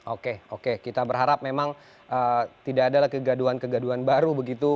oke oke kita berharap memang tidak ada lagi kegaduan kegaduhan baru begitu